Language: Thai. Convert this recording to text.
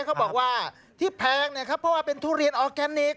เค้าบอกว่าที่แพงเพราะว่าเป็นทุเรียนออร์แกนิก